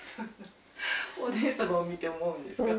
お姉様を見て思うんですか？